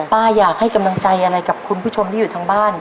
อยากให้กำลังใจอะไรกับคุณผู้ชมที่อยู่ทางบ้าน